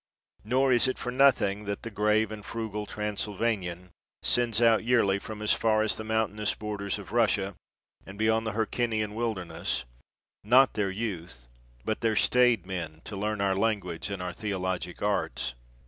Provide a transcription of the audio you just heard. Nor is it for nothing that the grave and frugal Transylvanian sends out yearly from as far as the mountainous borders of Rus sia, and beyond the Hercynian wilderness, not their youth, but their staid men, to learn our language and our theologic arts.